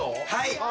はい。